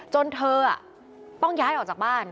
จนเธอต้องย้ายออกจากบ้าน